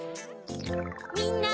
みんな！